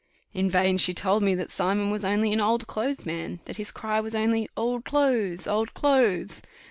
In vain she told me that Simon was only an old clothes man, that his cry was only "Old clothes! Old clothes!"